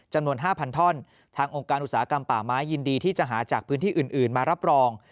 จำนวน๕๐๐ท่อนทางองค์การอุตสาหกรรมป่าไม้ยินดีที่จะหาจากพื้นที่อื่นมารับรอง